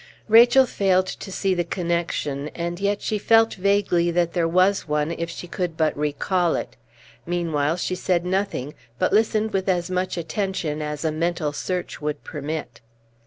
Rachel failed to see the connection, and yet she felt vaguely that there was one, if she could but recall it; meanwhile she said nothing, but listened with as much attention as a mental search would permit.